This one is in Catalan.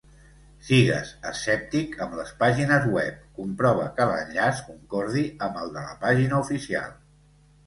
Sigues escèptic amb les pàgines web, comprova que l'enllaç concordi amb el de la pàgina oficial.